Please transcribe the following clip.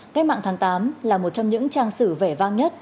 cách mạng tháng tám là một trong những trang sử vẻ vang nhất